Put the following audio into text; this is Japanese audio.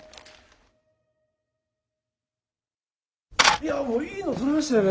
いやもういいの撮れましたよね。